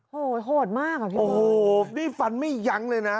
โหดมากอ่ะพี่โอ้โหนี่ฟันไม่ยั้งเลยนะ